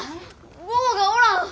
坊がおらん！